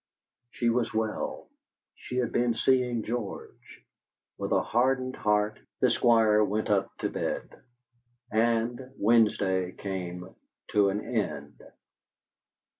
She was well. She had been seeing George. With a hardened heart the Squire went up to bed. And Wednesday came to an end....